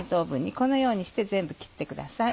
このようにして全部切ってください。